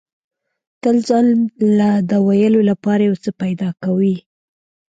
تل ځان له د ویلو لپاره یو څه پیدا کوي.